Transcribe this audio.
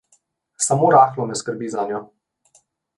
Samo rahlo me skrbi zanjo.